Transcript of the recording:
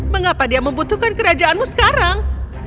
mengapa dia membutuhkan kerajaanmu sekarang